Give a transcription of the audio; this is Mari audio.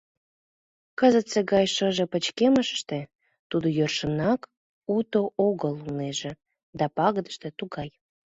Кызытсе гай шыже пычкемыште тудо йӧршынжак уто огыл улнеже, да пагытше тугай.